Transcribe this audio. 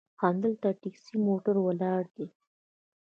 همدلته ټیکسي موټر ولاړ دي.